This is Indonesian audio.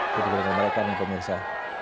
dan membut ke diri mereka pemirsa